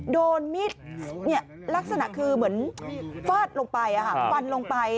โดนมิดลักษณะคือเหมือนฟาดลงไปฟันลงไป